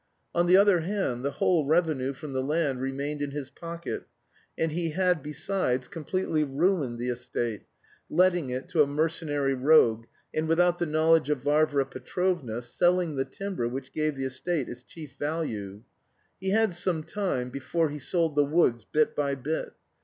On the other hand, the whole revenue from the land remained in his pocket, and he had, besides, completely ruined the estate, letting it to a mercenary rogue, and without the knowledge of Varvara Petrovna selling the timber which gave the estate its chief value. He had some time before sold the woods bit by bit.